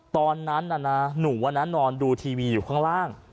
ตอนนั้นนานาหนูวันนั้นนอนดูทีวีอยู่ข้างล่าง